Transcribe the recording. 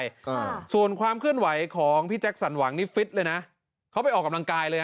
อ่าส่วนความเคลื่อนไหวของพี่แจ็คสันหวังนี่ฟิตเลยนะเขาไปออกกำลังกายเลย